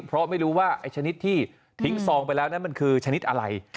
เพราะไม่รู้ว่าไอ้ชนิดที่ทิ้งซองไปแล้วนั้นมันคือชนิดอะไร